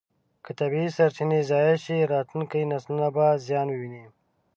که طبیعي سرچینې ضایع شي، راتلونکي نسلونه به زیان وویني.